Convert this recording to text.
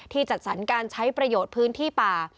จัดสรรการใช้ประโยชน์พื้นที่ป่า